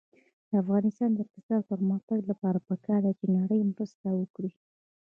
د افغانستان د اقتصادي پرمختګ لپاره پکار ده چې نړۍ مرسته وکړي.